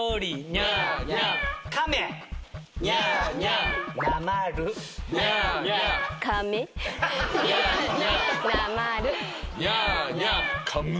ニャーニャー。